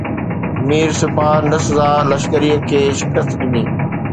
مير سپاه نسزا لشڪريءَ کي شڪست ڏني